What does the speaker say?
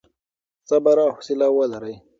صبر او حوصله ولرئ.